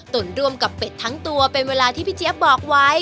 ร่วมกับเป็ดทั้งตัวเป็นเวลาที่พี่เจี๊ยบบอกไว้